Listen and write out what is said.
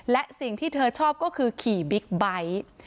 และสิ่งที่เธอชอบก็คือขี่บิ๊กไบท์